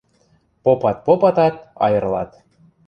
Попат-попатат, айырлат.